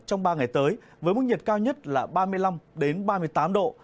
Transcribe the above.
trong ba ngày tới với mức nhiệt cao nhất là ba mươi năm ba mươi tám độ